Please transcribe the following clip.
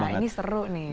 wah ini seru nih